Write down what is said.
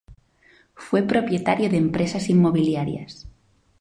Fue propietario de empresas inmobiliarias.